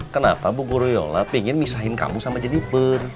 kenapa bu yola ingin pisahin kamu sama jeniper